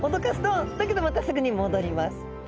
だけどまたすぐに戻ります。